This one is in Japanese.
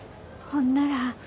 ほんなら。